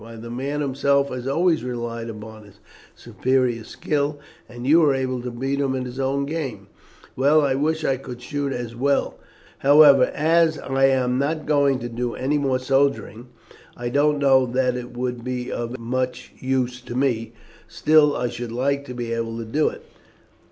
why the man himself had always relied upon his superior skill, and you were able to beat him at his own game. Well, I wish I could shoot as well. However, as I am not going to do any more soldiering, I don't know that it would be of much use to me; still I should like to be able to do it."